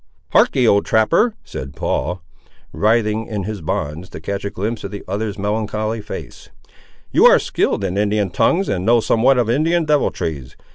"Harkee, old trapper," said Paul, writhing in his bonds to catch a glimpse of the other's melancholy face; "you ar' skilled in Indian tongues, and know somewhat of Indian deviltries.